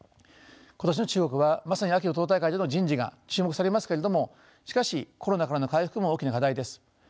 今年の中国はまさに秋の党大会での人事が注目されますけれどもしかしコロナからの回復も大きな課題です。